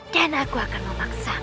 dan aku akan memaksamu